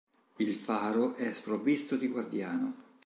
Il faro è sprovvisto di guardiano.